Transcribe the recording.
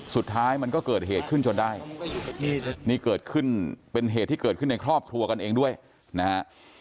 สุดท้ายมันก็เกิดเหตุขึ้นจนได้นี่เกิดขึ้นเป็นเหตุที่เกิดขึ้นในครอบครัวกันเองด้วยนะฮะ